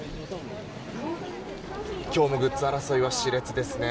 今日もグッズ争いは熾烈ですね。